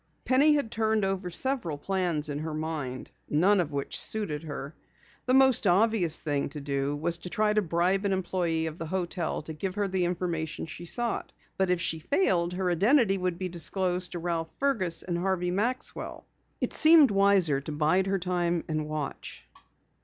Penny had turned over several plans in her mind, none of which suited her. The most obvious thing to do was to try to bribe an employee of the hotel to give her the information she sought. But if she failed, her identity would be disclosed to Ralph Fergus and Harvey Maxwell. It seemed wiser to bide her time and watch.